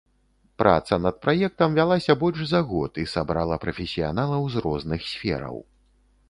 Праца над праектам вялася больш за год і сабрала прафесіяналаў з розных сфераў.